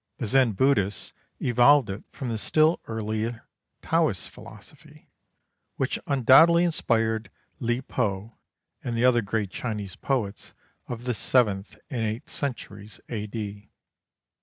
The Zen Buddhists evolved it from the still earlier Taoist philosophy, which undoubtedly inspired Li Po and the other great Chinese poets of the seventh and eighth centuries A.D.